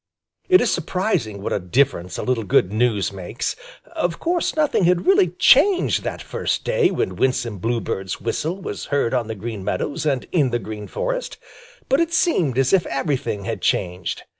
It is surprising what a difference a little good news makes. Of course nothing had really changed that first day when Winsome Bluebird's whistle was heard on the Green Meadows and in the Green Forest, but it seemed as if everything had changed.